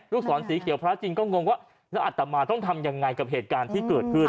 ศรสีเขียวพระจริงก็งงว่าแล้วอัตมาต้องทำยังไงกับเหตุการณ์ที่เกิดขึ้น